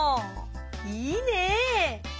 いいね！